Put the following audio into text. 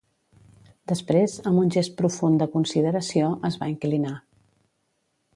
Després, amb un gest profund de consideració, es va inclinar.